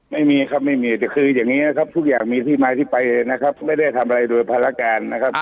ไม่มีครับไม่มีแต่คืออย่างนี้นะครับทุกอย่างมีที่มาที่ไปนะครับไม่ได้ทำอะไรโดยภารการนะครับ